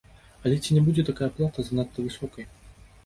Але ці не будзе такая плата занадта высокай?